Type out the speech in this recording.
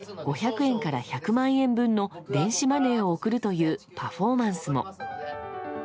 応募者全員に抽選で５００円から１００万円分の電子マネーを贈るというパフォーマンスも。